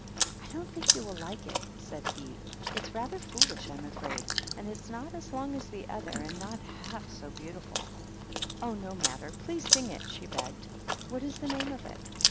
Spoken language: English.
" I don't think you will like it," said he. " It's rather foolish I'm afraid ; and it's not as long as the other, and not hxilf so beautiful." "Oh, no matter; please sing it," she begged. " What is the name of it